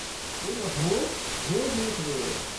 Dit mag nooit, nooit meer gebeuren!